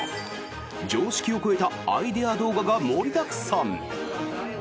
常識を超えたアイデア動画が盛りだくさん。